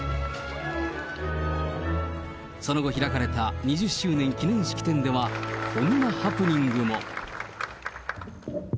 その後、開かれた２０周年記念式典では、こんなハプニングも。